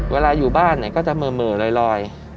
เวลาอยู่บ้านก็จะเหม่อลอย